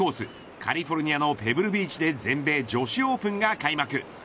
カリフォルニアのペブルビーチで全米女子オープンが開幕。